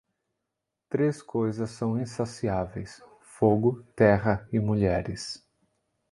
Três coisas são insaciáveis: fogo, terra e mulheres.